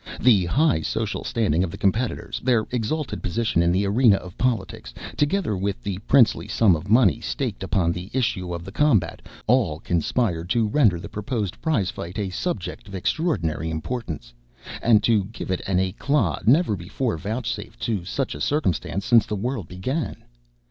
The high social standing of the competitors, their exalted position in the arena of politics, together with the princely sum of money staked upon the issue of the combat, all conspired to render the proposed prize fight a subject of extraordinary importance, and to give it an éclat never before vouchsafed to such a circumstance since the world began.